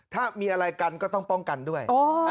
ถ้ามีอะไรกันก็ต้องป้องกันด้วย